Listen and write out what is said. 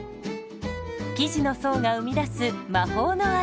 生地の層が生み出す魔法の味。